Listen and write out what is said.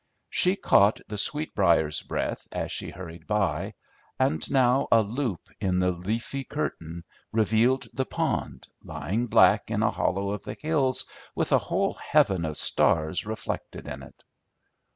She caught the sweetbrier's breath as she hurried by, and now a loop in the leafy curtain revealed the pond, lying black in a hollow of the hills with a whole heaven of stars reflected in it.